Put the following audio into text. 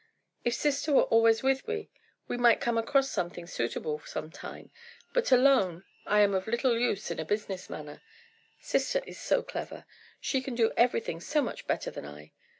If sister were always with me, we might come across something suitable some time, but alone, I am of little use in a business manner. Sister is so clever! She can do everything so much better than I.